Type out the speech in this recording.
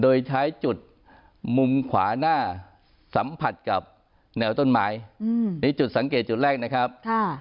โดยใช้จุดมุมขวาหน้าสัมผัสกับแนวต้นไม้นี่จุดสังเกตจุดแรกนะครับ